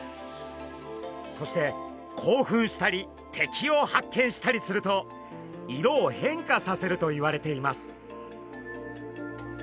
そして興奮したり敵を発見したりすると色を変化させるといわれています。